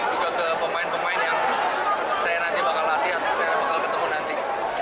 juga ke pemain pemain yang saya nanti bakal latih atau saya bakal ketemu nanti